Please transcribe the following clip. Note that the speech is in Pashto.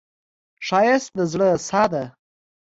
ښایست د زړه ساه ده